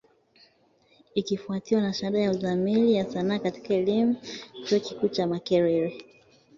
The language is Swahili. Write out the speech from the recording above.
Ikifwatiwa na shahada ya Uzamili ya Sanaa katika elimu, chuo kikuu cha Makerere.